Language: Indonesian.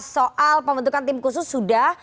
soal pembentukan tim khusus sudah